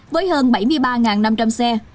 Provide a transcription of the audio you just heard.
với hơn bảy mươi ba năm trăm linh xe